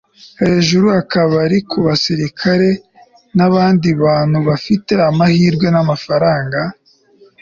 hejuru akabari kubasirikare nabandi bantu bafite amahirwe namafaranga